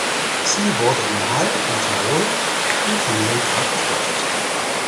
Sie wurde in Hall in Tirol im Familiengrab bestattet.